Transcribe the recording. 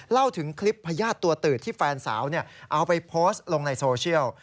เล่าถึงคลิปพญาติตัวตืดที่แฟนสาวเอาไปโพสต์ลงในโซเชียล